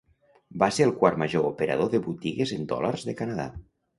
Va ser el quart major operador de botigues en dòlars de Canadà.